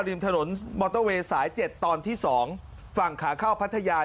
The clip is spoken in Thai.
ริมถนนมอเตอร์เวย์สาย๗ตอนที่๒ฝั่งขาเข้าพัทยา